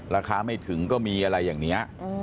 ราคาไม่ถึงก็มีอะไรอย่างนี้